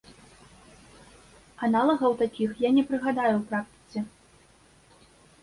Аналагаў такіх я не прыгадаю ў практыцы.